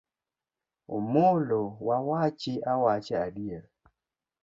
Omolo wa wachi awacha adieri.